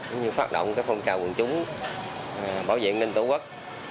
cũng như phát động phong trào quân chúng bảo vệ ninh tổ quốc